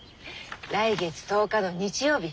来月１０日の日曜日。